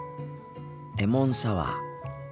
レモンサワー。